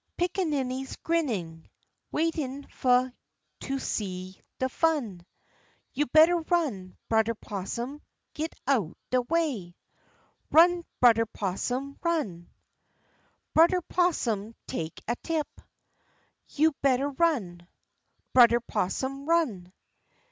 Pickaninnies grinnin' Waitin' fu' to see de fun. You better run, Brudder 'Possum, git out de way! Run, Brudder 'Possum, run! Brudder 'Possum take a tip; You better run, Brudder 'Possum, run!